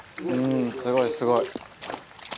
うんすごいすごい。